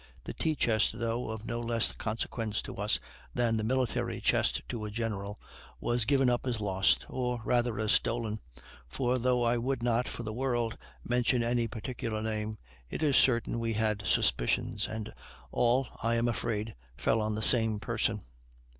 The tea chest, though of no less consequence to us than the military chest to a general, was given up as lost, or rather as stolen, for though I would not, for the world, mention any particular name, it is certain we had suspicions, and all, I am afraid, fell on the same person.